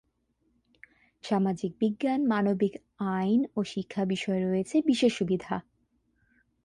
সামাজিক বিজ্ঞান, মানবিক, আইন ও শিক্ষা বিষয়ে রয়েছে বিশেষ সুবিধা।